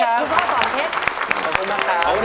โอ้โฮ่ย